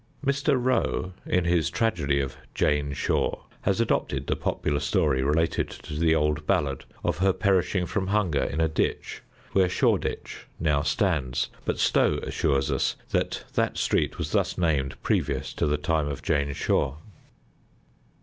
Mr. Rowe, in his tragedy of "Jane Shore," has adopted the popular story related in the old ballad, of her perishing from hunger in a ditch where Shoreditch now stands, but Stow assures us that that street was thus named previous to the time of Jane Shore.